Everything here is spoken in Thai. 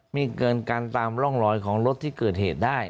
มีเกินการตามร่องรอยของรถที่เกิดเหตุได้